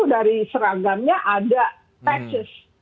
dari seragamnya ada patches